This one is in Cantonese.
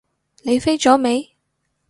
你飛咗未？